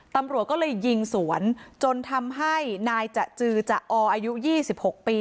ตำรวจก็เลยยิงสวนจนทำให้นายจะจือจะออายุ๒๖ปี